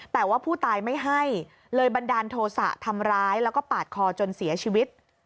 แต่ว่าผู้ตายไม่ให้เลยบันดาลโทษะทำร้ายแล้วก็ปาดคอจนเสียชีวิต